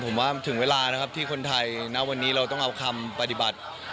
ผมว่าถึงเวลานะครับที่คนไทยณวันนี้เราต้องเอาคำปฏิบัติ